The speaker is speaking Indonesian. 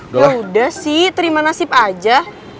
yaudah sih terima nasib aja